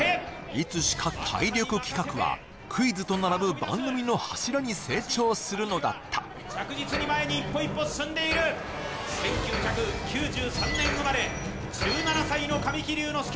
いつしか体力企画はクイズと並ぶ番組の柱に成長するのだった着実に前に一歩一歩進んでいる１９９３年生まれ１７歳の神木隆之介